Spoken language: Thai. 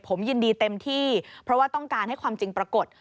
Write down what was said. ผมยินดีเต็มที่เพราะว่าต้องการให้ความจริงปรากฏ